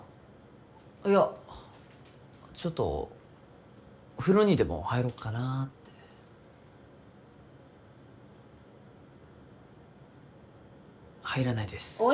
いやちょっと風呂にでも入ろっかなって入らないですおい